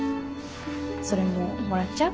それももらっちゃう？